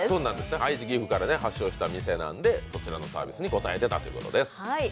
愛知、岐阜から発祥した店なので、そちらのサービスに応えたということです。